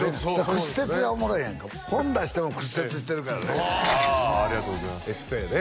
屈折がおもろいやんか本出しても屈折してるからねああありがとうございますエッセイね